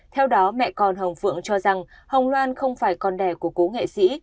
theo đó mẹ con hồng phượng cho rằng hồng loan không phải con đẻ của cố nghệ sĩ